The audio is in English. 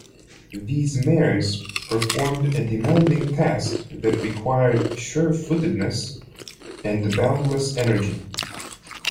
These mares performed a demanding task that required sure-footedness and boundless energy.